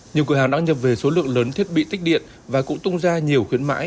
nhiều cửa hàng đã nhập về số lượng lớn thiết bị tích điện và cũng tung ra nhiều khuyến mãi